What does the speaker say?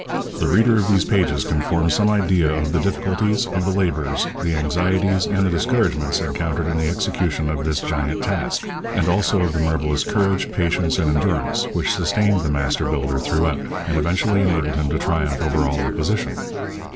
The reader of these pages can form some idea of the difficulties, of the labours, the anxieties, and the discouragements encountered in the execution of this giant task; and also of the marvellous courage, patience, and endurance which sustained the master builder throughout, and eventually enabled him to triumph over all opposition.